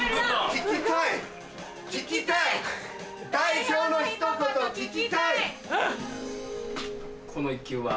聞きたい聞きたい代表の一言聞きたい